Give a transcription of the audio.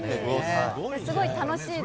すごく楽しいです。